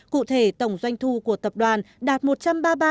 cụ thể tổng doanh thu của tập đoàn là tất cả các mục tiêu đề ra